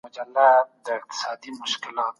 نوښتونه د اقتصادي ودي انجن دی.